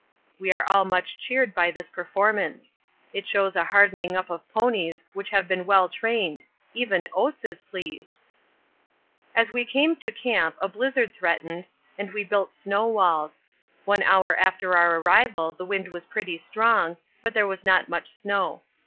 We are all much cheered by this performance. It shows a hardening up of ponies which have been well trained; even Oates is pleased! As we came to camp a blizzard threatened, and we built snow walls. One hour after our arrival the wind was pretty strong, but there was not much snow.